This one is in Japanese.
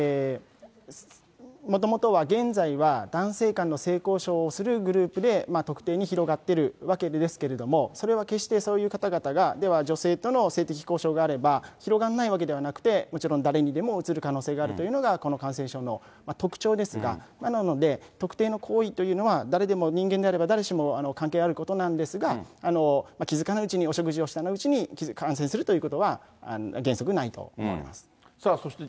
もともとは、現在は男性間の性交渉をするグループで、特定に広がってるわけですけれども、それは決して、そういう方々が、では女性との性的交渉があれば広がらないわけではなくて、もちろん誰にでもうつる可能性があるというのが、この感染症の特徴ですが、なので、特定の行為というのは、誰でも、人間であれば誰しも関係あることなんですが、気付かないうちに、お食事をした後に感染するということは原則ないと思います。